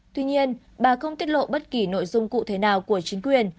tuy nhiên bà không tiết lộ bất kỳ nội dung cụ thể nào của chính quyền